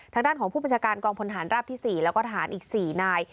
ทางด้านของผู้บัญชาการกองพลฐานราบที่๔แล้วก็ทหารอีก๔นาย